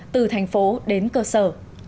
từ thành phố đến cơ sở